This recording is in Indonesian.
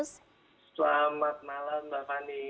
selamat malam mbak fani